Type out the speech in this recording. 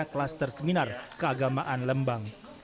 klaster seminar keagamaan lembang